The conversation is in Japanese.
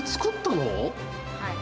はい。